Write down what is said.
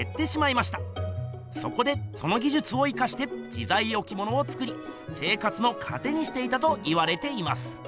そこでそのぎじゅつを生かして自在置物を作り生活のかてにしていたと言われています。